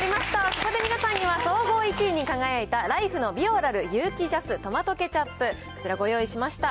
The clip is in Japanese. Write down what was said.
ここで皆さんには、総合１位に輝いた、ライフのビオラル有機ＪＡＳトマトケチャップ、こちらご用意しました。